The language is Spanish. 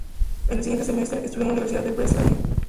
En el siguiente semestre, estudió en la Universidad de Breslavia.